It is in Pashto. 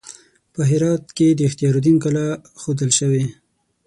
په هرات کې د اختیار الدین کلا ښودل شوې.